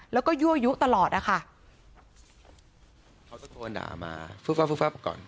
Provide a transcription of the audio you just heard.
แล้วก็ยั่วยุตลอดอะค่ะเขาตะโกนด่ามาฟึบฟับฟึบฟับก่อน